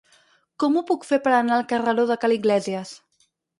Com ho puc fer per anar al carreró de Ca l'Iglésies?